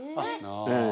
ええ。